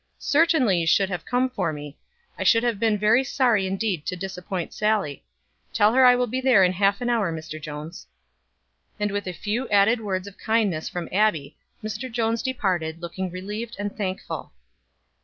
"Certainly you should have come for me. I should have been very sorry indeed to disappoint Sallie. Tell her I will be there in half an hour, Mr. Jones." And with a few added words of kindness from Abbie, Mr. Jones departed, looking relieved and thankful.